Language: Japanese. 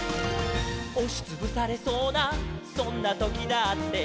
「おしつぶされそうなそんなときだって」